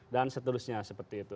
dan seterusnya seperti itu